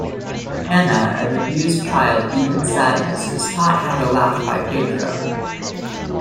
Ana, an abused child deep in sadness is taught how to laugh by Pedro.